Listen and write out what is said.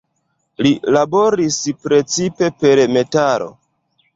Li laboris precipe per metalo.